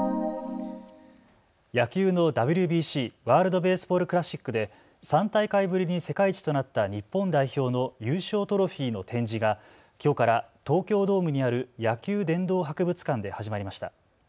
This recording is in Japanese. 野球のＷＢＣ・ワールド・ベースボール・クラシックで３大会ぶりに世界一となった日本代表の優勝トロフィーの展示がきょうから東京ドームにある野球殿堂博物館で始まりました。